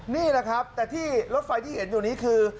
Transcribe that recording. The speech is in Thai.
นี่แหละครับแต่ที่รถไฟที่เห็นอยู่นี้คือ